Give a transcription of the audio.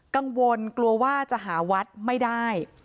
กังวลกลัวว่าจะหาวัดไม่ได้